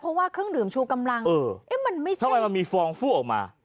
เพราะว่าเครื่องดื่มชูกำลังมันไม่ใช่ทำไมมันมีฟองฟั่วออกมา